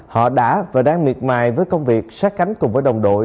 họ đã và đang miệt mài với công việc sát cánh cùng với đồng đội